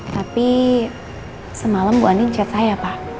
tapi semalam bu andien chat saya